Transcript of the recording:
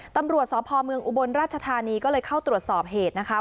ตำรวจสพเมืองอุบลราชธานีก็เลยเข้าตรวจสอบเหตุนะคะ